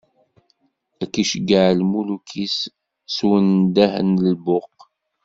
Ad iceggeɛ lmuluk-is s undah n lbuq.